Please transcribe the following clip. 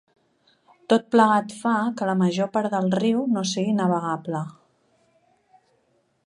Tot plegat fa que la major part del riu no sigui navegable.